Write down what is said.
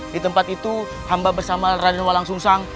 di tempat itu hamba bersama raden walang sungsang